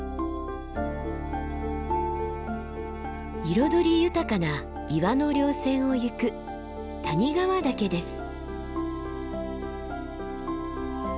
彩り豊かな岩の稜線を行く谷川岳です。